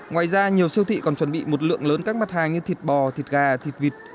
ngoài ra nhiều siêu thị còn chuẩn bị một lượng lớn các mặt hàng như thịt bò thịt gà thịt vịt